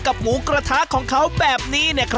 กับหมุนกระทะแบบนี้